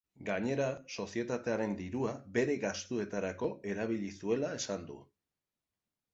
Gainera, sozietatearen dirua bere gastuetarako erabili zuela esan du.